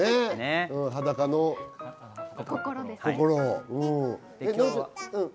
『裸の心』ね。